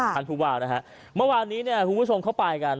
ท่านผู้ว่านะฮะเมื่อวานนี้เนี่ยคุณผู้ชมเข้าไปกัน